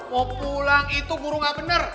mau pulang itu guru gak bener